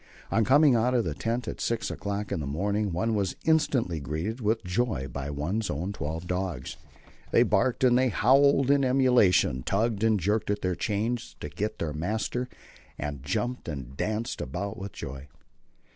On coming out of the tent at six o'clock in the morning one was instantly greeted with joy by one's own twelve dogs. They barked and howled in emulation, tugged and jerked at their chains to get to their master, and jumped and danced about with joy.